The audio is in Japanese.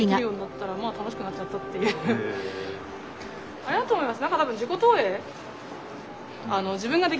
あれだと思います